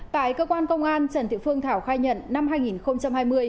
tại cơ quan công an trần thị phương thảo khai nhận năm hai nghìn hai mươi